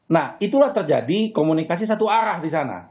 nah itulah terjadi komunikasi satu arah di sana